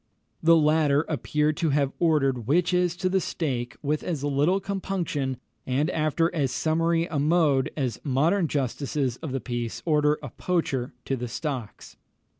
The latter appear to have ordered witches to the stake with as little compunction, and after as summary a mode, as modern justices of the peace order a poacher to the stocks.